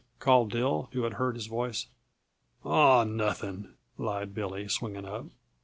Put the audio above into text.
called Dill, who had heard his voice. "Aw, nothing," lied Billy, swinging up.